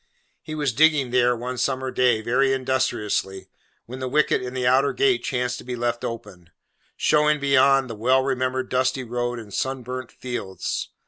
He was digging here, one summer day, very industriously, when the wicket in the outer gate chanced to be left open: showing, beyond, the well remembered dusty road and sunburnt fields.